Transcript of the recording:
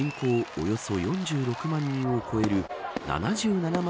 およそ４６万人を超える７７万